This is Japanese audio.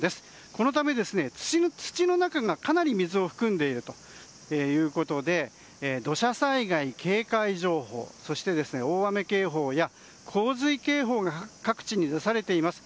このため、土の中がかなり水を含んでいるということで土砂災害警戒情報そして大雨警報や洪水警報が各地に出されています。